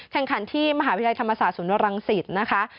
แข่งขันที่มหาวิทยาลัยธรรมศาสตร์ศูนย์รังสิตนะคะ